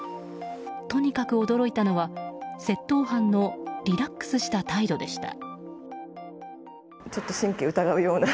とにかく驚いたのが窃盗犯のリラックスした態度でした。